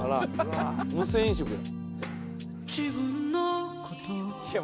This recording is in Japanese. ・無銭飲食や・